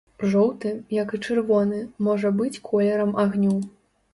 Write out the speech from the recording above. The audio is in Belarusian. Жоўты, як і чырвоны, можа быць колерам агню.